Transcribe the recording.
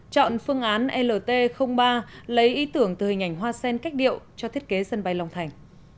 chọn phương án lt ba lấy ý tưởng từ hình ảnh hoa sen cách điệu cho thiết kế sân bay long thành